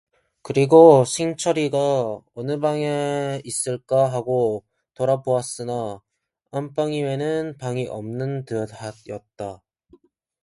그리고 신철이가 어느 방에 있을까 하고 돌아보았으나 안방 이외는 방이 없는 듯하였다.